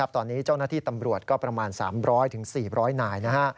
ตอนนี้เจ้าหน้าที่ตำรวจก็ประมาณ๓๐๐๔๐๐นาย